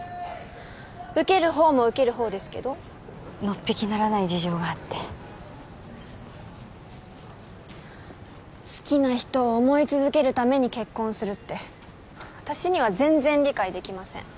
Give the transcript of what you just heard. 受ける方も受ける方ですけどのっぴきならない事情があって好きな人を思い続けるために結婚するって私には全然理解できません